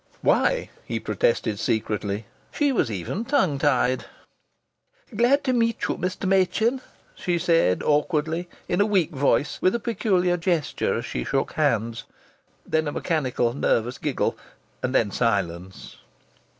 Why (he protested secretly), she was even tongue tied! "Glad to meet you, Mr. Machin," she said awkwardly, in a weak voice, with a peculiar gesture as she shook hands. Then, a mechanical, nervous giggle; and then silence!